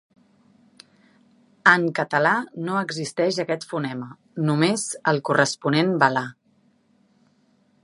En català no existeix aquest fonema, només el corresponent velar.